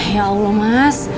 ya allah mas